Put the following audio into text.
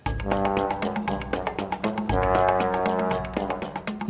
kode rahasia mereka bisa kita pecahkan